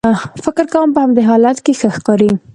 فکر کوم په همدې حالت کې ښه ښکارې.